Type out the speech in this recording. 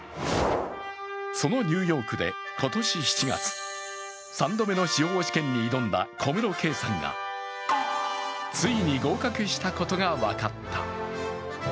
そのニューヨークで今年７月、３度目の司法試験に挑んだ小室圭さんがついに合格したことが分かった。